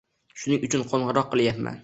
Shuning uchun qo’ng'iroq qilayapman.